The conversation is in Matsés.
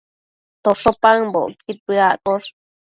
tosho paëmbocquid bëaccosh